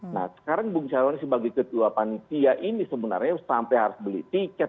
nah sekarang bung cah rony sebagai ketua pansia ini sebenarnya sampai harus beli tiket